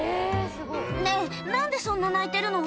ねぇ何でそんな泣いてるの？